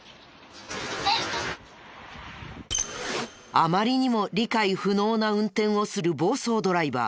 あまりにも理解不能な運転をする暴走ドライバー。